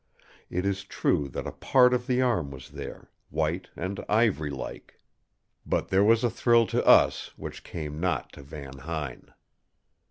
It is true that a part of the arm was there, white and ivory like. "But there was a thrill to us which came not to Van Huyn!